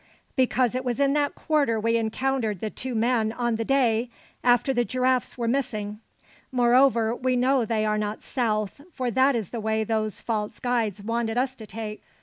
"Because it was in that quarter we encountered the two men on the day after the giraffes were missing. Moreover, we know they are not south, for that is the way those false guides wanted us to take."